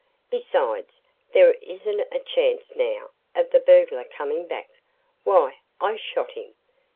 Besides, there isn't a chance, now, of the burglar coming back. Why, I shot him."